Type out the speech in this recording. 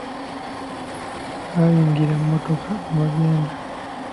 Baayingira mmotoka ne bagenda.